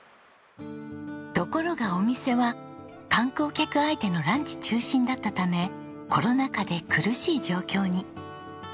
ところがお店は観光客相手のランチ中心だったためコロナ禍で苦しい状況に。